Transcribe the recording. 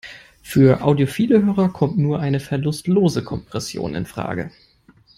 Für audiophile Hörer kommt nur eine verlustlose Kompression infrage.